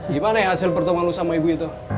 gimana ya hasil pertemuan lu sama ibu itu